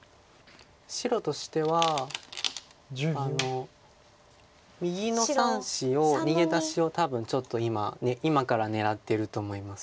白としては右の３子を逃げ出しを多分ちょっと今から狙ってると思います。